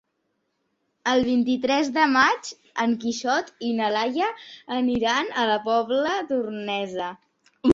El vint-i-tres de maig en Quixot i na Laia aniran a la Pobla Tornesa.